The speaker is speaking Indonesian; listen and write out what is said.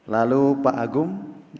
lalu pak agung